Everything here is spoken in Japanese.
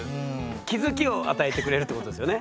気付きを与えてくれるってことですよね。